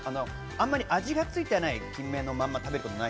味がついていないキンメのまま食べたことがない。